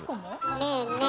ねえねえ